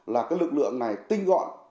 là lực lượng này tinh gọn